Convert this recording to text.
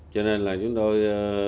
cho nên là chúng tôi